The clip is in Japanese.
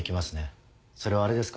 それはあれですか？